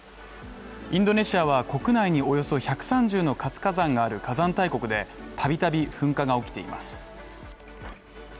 インドネシアは国内におよそ１３０の活火山がある火山大国で、度々噴火が起きています